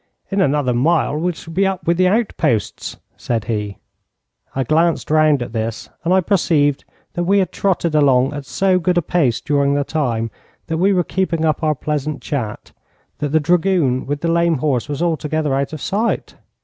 'In another mile we shall be up with the outposts,' said he. I glanced round at this, and I perceived that we had trotted along at so good a pace during the time that we were keeping up our pleasant chat, that the dragoon with the lame horse was altogether out of sight.